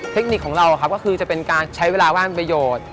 เทคนิคของเราก็คือจะเป็นการใช้เวลาว่างประโยชน์